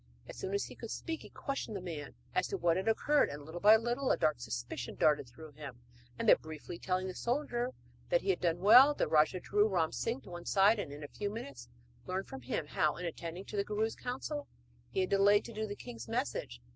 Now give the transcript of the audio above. As soon as he could speak he questioned the man as to what had occurred, and little by little a dark suspicion darted through him. Then, briefly telling the soldier that he had done well, the rajah drew Ram Singh to one side, and in a few minutes learned from him how, in attending to the guru's counsel, he had delayed to do the king's message.